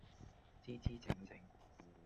姿姿整整